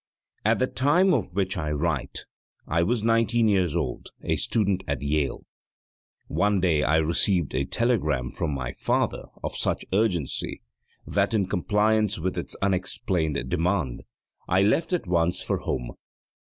At the time of which I write I was nineteen years old, a student at Yale. One day I received a telegram from my father of such urgency that in compliance with its unexplained demand I left at once for home.